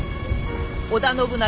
織田信長